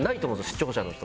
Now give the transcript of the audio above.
視聴者の人。